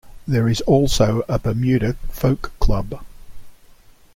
There is also a Bermuda Folk Club.